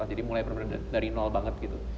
jadi mulai dari nol banget gitu